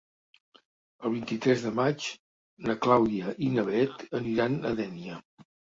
El vint-i-tres de maig na Clàudia i na Bet aniran a Dénia.